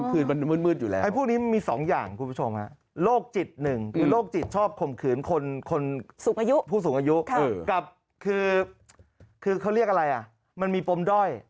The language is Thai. คือเขาเรียกอะไรมันมีปมด้อย